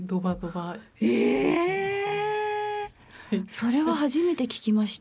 それは初めて聞きました。